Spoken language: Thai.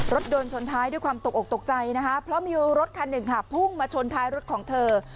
รถโดนชนท้ายด้วยความตกออกตกใจนะคะเพราะมีรถคันหนึ่งค่ะพุ่งมาชนท้ายรถของเธอ